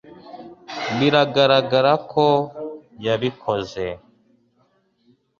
biragaragara ko yabikoze